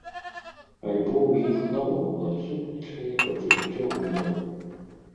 Альбо ў іх наогул адсутнічае пачуццё гумару.